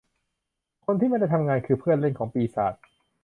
คนที่ไม่ได้ทำงานคือเพื่อนเล่นของปีศาจ